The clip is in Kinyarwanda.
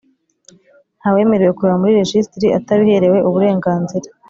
Nta wemerewe kureba muri rejisitiri atabiherewe uburenganzira.